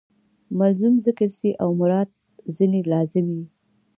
ملزوم ذکر سي او مراد ځني لازم يي.